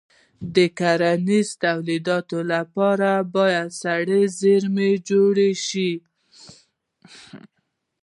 د کرنیزو تولیداتو لپاره باید سړه زېرمې جوړې شي.